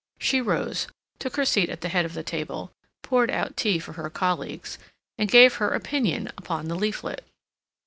She rose, took her seat at the head of the table, poured out tea for her colleagues, and gave her opinion upon the leaflet.